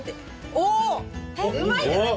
おおうまいんじゃない？